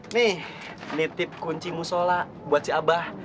nih nitip kunci musola buat si abah